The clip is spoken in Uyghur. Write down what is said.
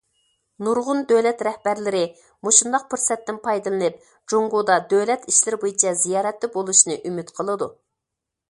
نۇرغۇن دۆلەت رەھبەرلىرى مۇشۇنداق پۇرسەتتىن پايدىلىنىپ جۇڭگودا دۆلەت ئىشلىرى بويىچە زىيارەتتە بولۇشنى ئۈمىد قىلىدۇ.